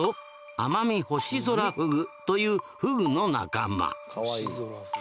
アマミホシゾラフグというフグの仲間。